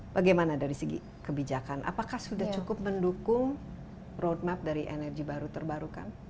bagaimana dari segi kebijakan apakah sudah cukup mendukung roadmap dari energi baru terbarukan